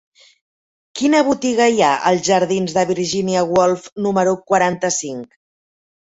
Quina botiga hi ha als jardins de Virginia Woolf número quaranta-cinc?